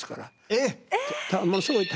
えっ！